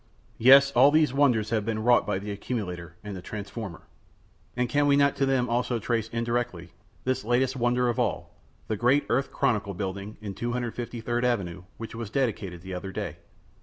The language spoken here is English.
Yes, all these wonders have been wrought by the accumulator and the transformer. And can we not to them also trace, indirectly, this latest wonder of all, the great "Earth Chronicle" building in 253d Avenue, which was dedicated the other day?